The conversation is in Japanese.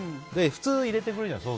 普通、入れてくれるじゃない。